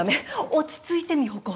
落ち着いて美保子。